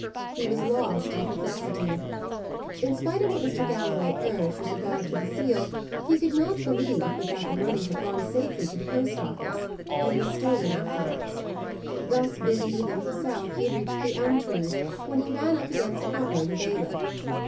He was lost in perplexity; in spite of what Mr. Galloway urged, with regard to the seal, he could not believe but that the money had gone safely to the post office, and was stolen afterwards. Thus busied within himself, he had reached the elm trees, when he ran up against Hopper, the bailiff.